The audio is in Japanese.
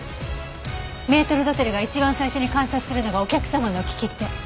メートル・ドテルが一番最初に観察するのがお客様の利き手。